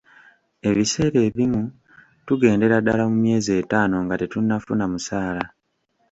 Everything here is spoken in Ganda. Ebiseera ebimu tugendera ddala mu myezi etaano nga tetunnafuna musaala.